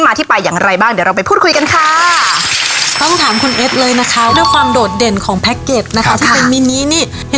มีน้ำพริกเจตาแดงเจเผาเจ